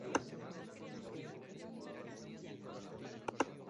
Otros pueden adquirir derechos de residencia en determinadas clasificaciones deseadas.